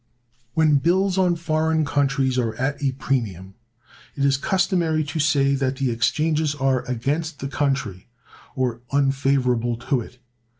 When bills on foreign countries are at a premium, it is customary to say that the exchanges are against the country, or unfavorable to it.